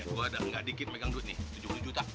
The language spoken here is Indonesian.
gue udah gak dikit megang duit nih tujuh puluh juta